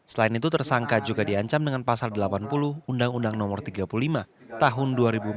selain itu tersangka juga diancam dengan pasal delapan puluh undang undang no tiga puluh lima tahun dua ribu empat belas